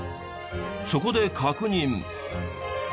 そこで確認。